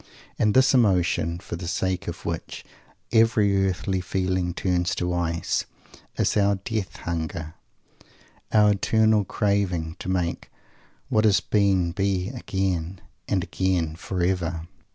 And this emotion, for the sake of which every earthly feeling turns to ice, is our Death hunger, our eternal craving to make what has been be again, and again, forever!